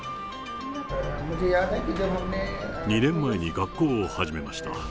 ２年前に学校を始めました。